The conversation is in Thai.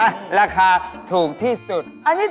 ราคาถูกที่สุด